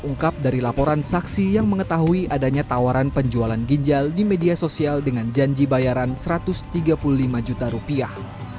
ungkap dari laporan saksi yang mengetahui adanya tawaran penjualan ginjal di media sosial dengan janji bayaran satu ratus tiga puluh lima juta rupiah